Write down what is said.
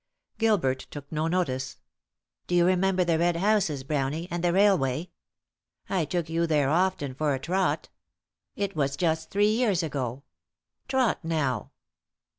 Gilbert took no notice. "Do you remember the red houses, Brownie, and the railway? I took you there often for a trot. It was just three years ago. Trot now!"